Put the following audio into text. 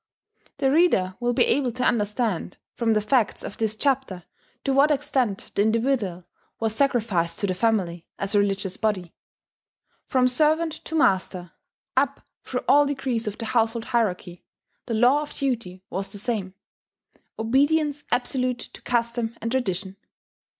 The reader will be able to understand, from the facts of this chapter, to what extent the individual was sacrificed to the family, as a religious body. From servant to master up through all degrees of the household hierarchy the law of duty was the same: obedience absolute to custom and tradition.